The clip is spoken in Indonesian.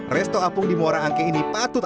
resto apung di muara angke ini patut